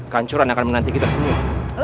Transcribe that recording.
kancuran yang akan menanti kita semua